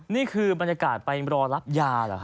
นี่คือบรรยากาศไปรอรับยาเหรอค